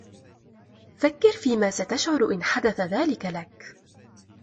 فكّر فيمَ ستشعر إن حدث ذلك لك.